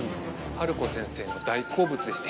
ハルコ先生の大好物でして